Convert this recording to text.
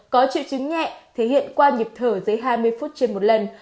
có triệu chứng nhẹ thể hiện qua nhịp thở dưới hai mươi phút trên một lần